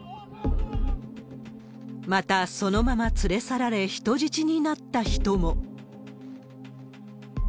また、そのまま連れ去られ人質になった人も。